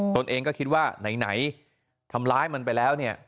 ตัวเองก็คิดว่าไหนทำร้ายมันไปแล้วเนี่ย